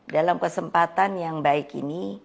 dalam kesempatan yang baik ini